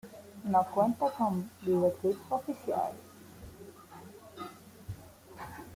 No cuenta con video clip oficial.